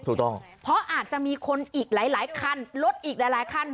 ถูกต้องเพราะอาจจะมีคนอีกหลายคันรถอีกหลายคัน